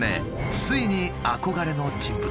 ついに憧れの人物